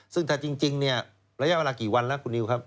ซึ่งถ้าจริงเนี่ยระยะเวลากี่วันแล้วคุณนิวครับ